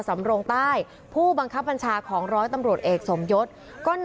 มีกล้วยติดอยู่ใต้ท้องเดี๋ยวพี่ขอบคุณ